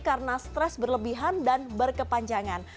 karena stres berlebihan dan berkepanjangan